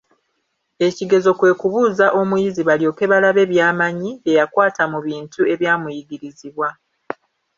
Ekigezo kwe kubuuza omuyizi balyoke balabe by'amanyi, bye yakwata mu bintu ebyamuyigirizibwa.